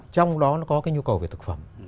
trong đó nó có cái nhu cầu về thực phẩm